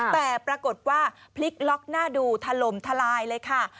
แต่ปรากฏว่าพลิกล็อกหน้าดูถล่มทลายเลยค่ะ